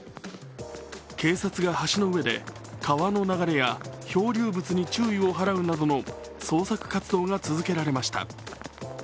警察が橋の上で、川の流れや漂流物に注意を払うなどの捜索活動が続けられました。